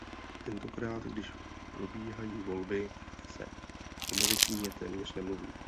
Tentokrát, když probíhají volby, se o medicíně téměř nemluví.